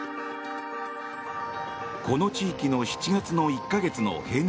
この地域の７月の１か月の平年